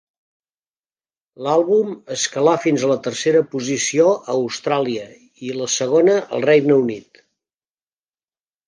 L'àlbum escalà fins a la tercera posició a Austràlia i la segona al Regne Unit.